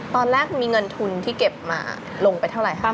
ตอนแรกมีเงินทุนที่เก็บมาลงไปเท่าไหร่ครับ